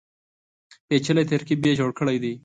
پېچلی ترکیب یې جوړ کړی دی.